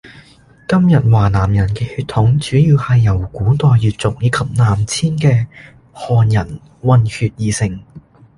今日華南人嘅血統主要係由古代越族以及南遷嘅漢人混血而成